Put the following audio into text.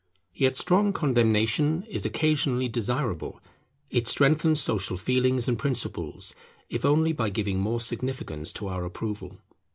Yet strong condemnation is occasionally desirable. It strengthens social feelings and principles, if only by giving more significance to our approval.